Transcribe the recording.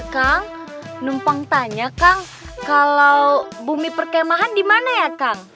kang numpang tanya kang kalau bumi perkemahan di mana ya kang